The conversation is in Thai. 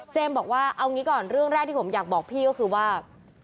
บอกว่าเอางี้ก่อนเรื่องแรกที่ผมอยากบอกพี่ก็คือว่า